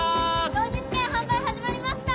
当日券販売始まりました！